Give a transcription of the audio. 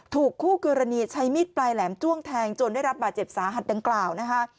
คู่กรณีใช้มีดปลายแหลมจ้วงแทงจนได้รับบาดเจ็บสาหัสดังกล่าวนะคะ